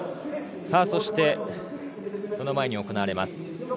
そして、その前に行われます